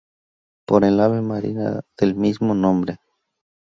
Por el ave marina del mismo nombre.